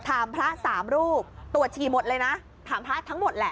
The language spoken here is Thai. ถำพระ๓รูปตรวจฉีบหมดเลยนะถามพระทั้งหมดเหล่อ